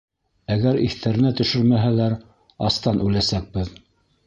Әгәр иҫтәренә төшөрмәһәләр, астан үләсәкбеҙ!